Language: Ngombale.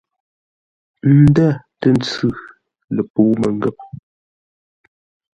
Ndə̂ tə́ ntsʉ ləpəu məngə̂p.